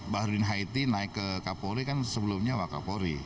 badurin haiti naik ke kapolri kan sebelumnya wak kapolri